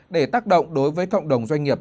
để tác động đối với cộng đồng doanh nghiệp